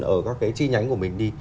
ở các chi nhánh của mình đi